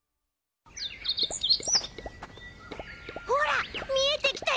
ほらみえてきたよ！